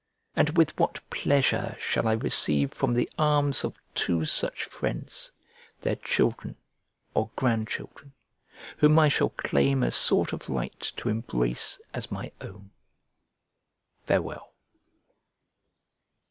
and with what pleasure shall I receive from the arms of two such friends their children or grand children, whom I shall claim a sort of right to embrace as my own! Farewell.